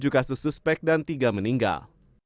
tujuh kasus suspek dan tiga meninggal